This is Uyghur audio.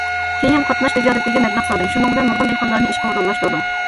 كېيىن قاتناش تىجارىتىگە مەبلەغ سالدىم، شۇنىڭ بىلەن نۇرغۇن دېھقانلارنى ئىشقا ئورۇنلاشتۇردۇم.